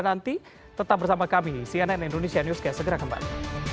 dan nanti tetap bersama kami cnn indonesia newscast segera kembali